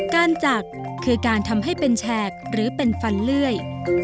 จักคือการทำให้เป็นแฉกหรือเป็นฟันเลื่อย